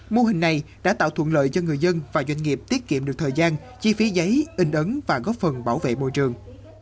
mô hình này đã tạo thuận lợi cho người dân và doanh nghiệp tiết kiệm được thời gian chi phí giấy in ấn và góp phần bảo vệ môi trường